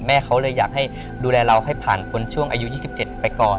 เขาเลยอยากให้ดูแลเราให้ผ่านพ้นช่วงอายุ๒๗ไปก่อน